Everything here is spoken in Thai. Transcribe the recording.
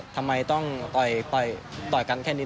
ทำไมต้องต่อยกันแค่นี้